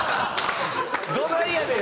どないやねん！